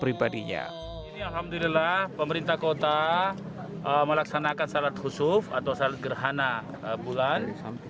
pribadinya ini alhamdulillah pemerintah kota melaksanakan salat khusuf atau salat gerhana bulan sampai